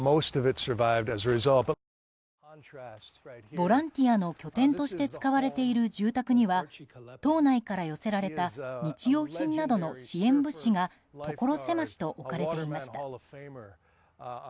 ボランティアの拠点として使われている住宅には島内から寄せられた日用品などの支援物資がところ狭しと置かれていました。